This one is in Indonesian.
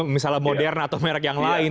misalnya moderna atau merek yang lain